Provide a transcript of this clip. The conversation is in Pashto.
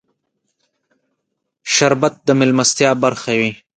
شربت د مېلمستیا برخه وي